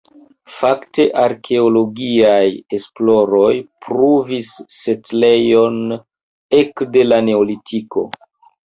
Fakte arkeologiaj esploroj pruvis setlejon ekde la neolitiko.